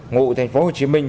ngụ thành phố hồ chí minh